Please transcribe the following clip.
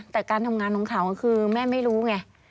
แต่การทำงานของเขาคือแม่ไม่รู้ไง